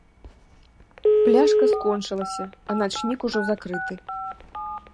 Пляшка скончылася, а начнік ужо закрыты.